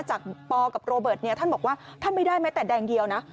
จากปกับโรเบิร์ตท่านบอกว่าท่านไม่ได้แม้แต่แดงเดียวนะ